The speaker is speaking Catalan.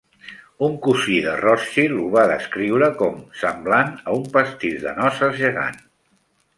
Un cosí de Rothschild ho va descriure com: "semblant a un pastís de noces gegant".